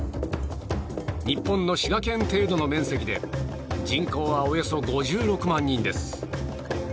日本の滋賀県程度の面積で人口はおよそ５６万人です。